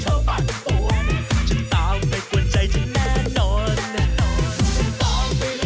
ยังเธอก็มันเจอไปหมดนี้